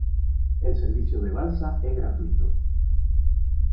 El servicio de balsa es gratuito.